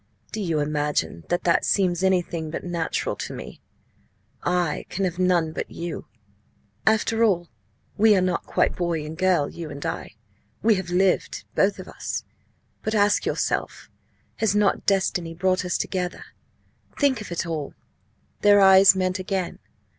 "Do you imagine that that seems anything but natural to me? I can have none; but you After all, we are not quite boy and girl, you and I; we have lived, both of us! But ask yourself has not destiny brought us together? Think of it all!" Their eyes met again.